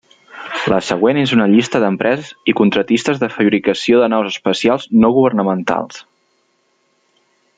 La següent és una llista d'empreses i contractistes de fabricació de naus espacials no-governamentals.